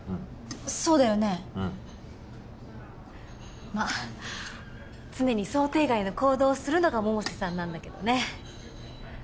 そうだよねうんまっ常に想定外の行動をするのが百瀬さんなんだけどね